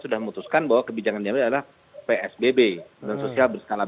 sudah memutuskan bahwa kebijakan yang diambil adalah